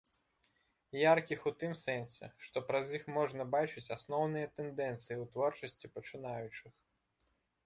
Яркіх у тым сэнсе, што праз іх можна бачыць асноўныя тэндэнцыі ў творчасці пачынаючых.